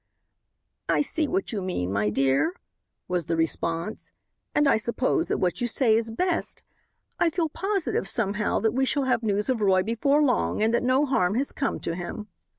"I see what you mean, my dear," was the response, "and I suppose that what you say is best. I feel positive, somehow, that we shall have news of Roy before long, and that no harm has come to him."